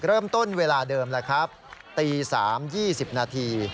เริ่มต้นเวลาเดิมแล้วครับตี๓๒๐นาที